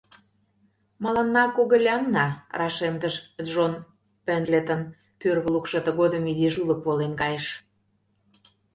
— Мыланна когылянна? — рашемдыш Джон Пендлетон, тӱрвӧ лукшо тыгодым изиш ӱлык волен кайыш.